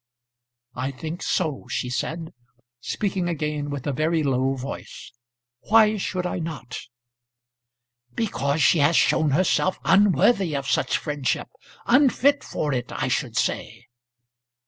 "I think so," she said, speaking again with a very low voice. "Why, should I not?" "Because she has shown herself unworthy of such friendship; unfit for it I should say."